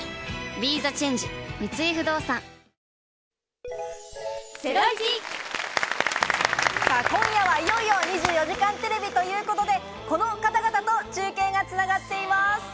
ＢＥＴＨＥＣＨＡＮＧＥ三井不動産今夜はいよいよ『２４時間テレビ』ということで、この方々と中継が繋がっています。